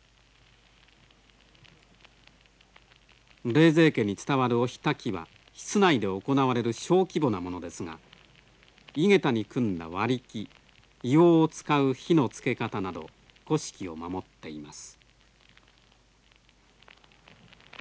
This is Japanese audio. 冷泉家に伝わるお火たきは室内で行われる小規模なものですが井桁に組んだ割り木硫黄を使う火のつけ方など古式を守っています。